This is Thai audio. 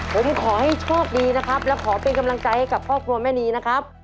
ผมขอให้โชคดีนะครับและขอเป็นกำลังใจให้กับครอบครัวแม่นีนะครับ